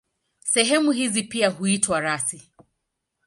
Sehemu hizi pia huitwa rasi.